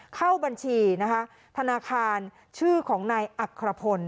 เข้าบัญชีนะคะธนาคารชื่อของนายอัครพล